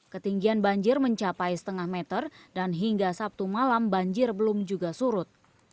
ketinggian banjir mencapai setengah meter dan hingga sabtu malam banjir belum juga surut